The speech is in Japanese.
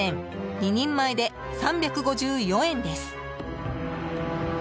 ２人前で３５４円です。